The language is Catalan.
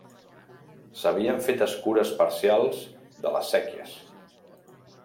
S'havien fet escures parcials de les séquies.